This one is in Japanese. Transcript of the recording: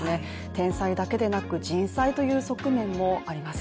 天災だけでなく人災という側面もあります。